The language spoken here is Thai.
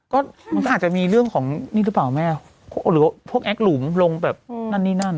ก็มันก็อาจจะมีเรื่องของนี่หรือเปล่าแม่หรือพวกแอคหลุมลงแบบนั่นนี่นั่น